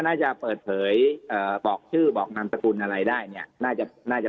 น่าจะเปิดเผยเอ่อบอกชื่อบอกนามสกุลอะไรได้เนี่ยน่าจะน่าจะ